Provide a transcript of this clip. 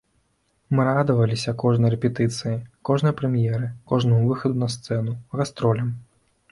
Мы радаваліся кожнай рэпетыцыі, кожнай прэм'еры, кожнаму выхаду на сцэну, гастролям.